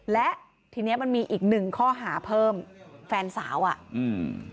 และทีเนี้ยมันมีอีกหนึ่งข้อหาเพิ่มแฟนสาวอ่ะอืม